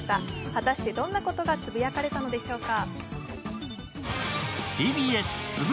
果たして、どんなことがつぶやかれたのでしょうか。